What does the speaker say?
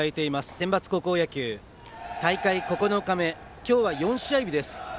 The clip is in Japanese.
センバツ高校野球大会９日目、今日は４試合日です。